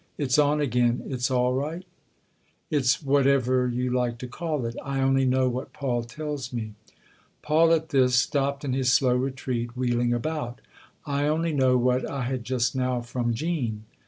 " It's on again it's all right ?"" It's whatever you like to call it. I only know what Paul tells me." Paul, at this, stopped in his slow retreat, wheeling about. " I only know what I had just now from Jean."